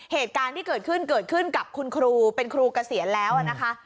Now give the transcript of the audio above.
เหตุการณ์ที่เกิดขึ้นเกิดขึ้นกับคุณครูเป็นครูเกษียณแล้วนะคะ